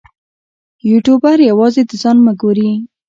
یوټوبر یوازې د ځان مه ګوري.